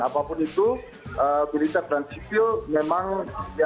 apapun itu militer dan sipil memang ya